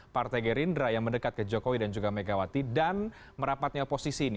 partai gerindra yang mendekat ke jokowi dan juga megawati dan merapatnya oposisi ini